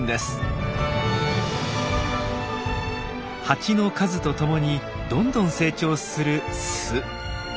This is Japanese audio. ハチの数とともにどんどん成長する巣。